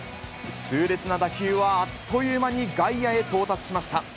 痛烈な打球はあっという間に外野へ到達しました。